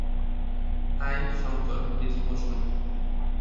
High, Shankar, please বসুন।